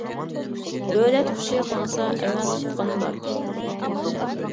دۆلەت قۇشى قونسا ئەمەل تۇتقان بار.